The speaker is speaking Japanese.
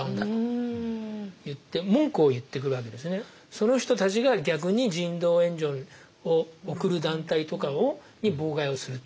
その人たちが逆に人道援助を送る団体とかに妨害をすると。